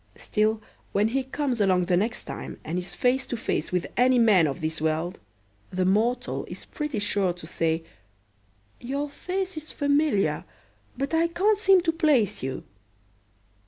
Still, when he comes along the next time and is face to face with any man of this world, the mortal is pretty sure to say, "Your face is familiar but I can't seem to place you."